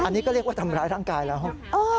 อันนี้ก็เรียกว่าทำร้ายร่างกายแล้ว